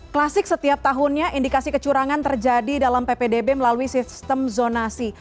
klasik setiap tahunnya indikasi kecurangan terjadi dalam ppdb melalui sistem zonasi